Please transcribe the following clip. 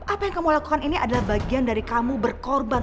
apa yang kamu lakukan ini adalah bagian dari kamu berkorban